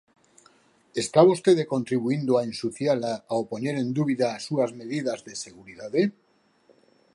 Está vostede contribuíndo a ensuciala ao poñer en dúbida as súas medidas de seguridade?